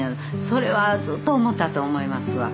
それはずっと思ったと思いますわ。